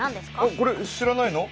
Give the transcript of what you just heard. これ知らないの？